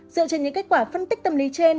dựa trên những kết quả phân tích tâm lý trên